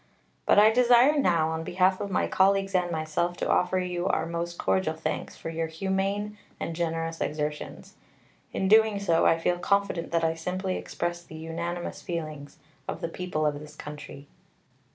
But I desire now, on behalf of my colleagues and myself, to offer you our most cordial thanks for your humane and generous exertions. In doing so, I feel confident that I simply express the unanimous feelings of the people of this country."